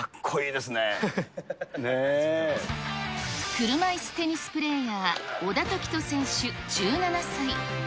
車いすテニスプレーヤー、小田凱人選手１７歳。